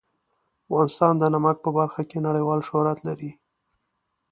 افغانستان د نمک په برخه کې نړیوال شهرت لري.